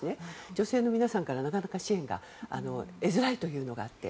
女性の皆さんからなかなか支援が得づらいというのがあって。